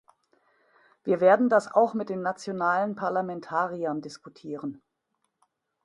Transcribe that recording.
Wir werden das auch mit den nationalen Parlamentariern diskutieren.